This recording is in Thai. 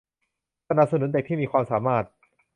สนับสนุนเด็กที่มีความสามารถ